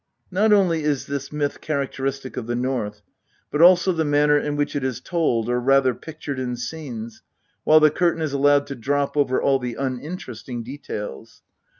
Not only is this myth characteristic of the North, but also the manner in which it is told or rather pictured in scenes, while the curtain is allowed to drop over all the uninteresting details.